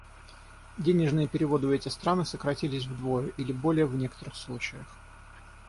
Денежные переводы в эти страны сократились вдвое или более в некоторых случаях.